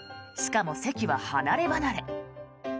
しかも席は離ればなれ。